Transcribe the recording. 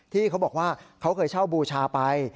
ที่เขาบอกว่าเขาเคยเช่าบูชาไป